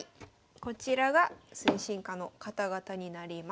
こちらが推進課の方々になります。